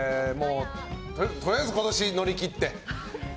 とりあえず今年を乗り切って。